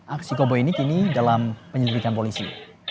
aksi kobo ini kini dalam penyelidikan polisi